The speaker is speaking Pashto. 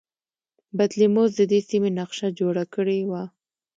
بطلیموس د دې سیمې نقشه جوړه کړې وه